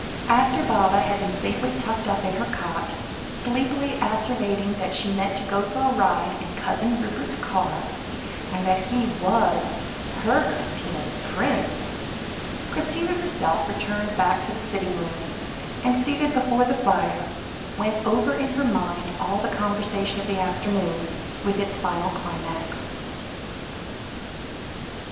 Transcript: After Baba had been safely tucked up in her cot, sleepily asseverating that she meant to go for a ride in Cousin Rupert's car, and that he was "her Christina's prince," Christina herself returned back to the sitting room, and, seated before the fire, went over in her own mind all the conversation of the afternoon, with its final climax.